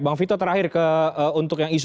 bang vito terakhir untuk yang isu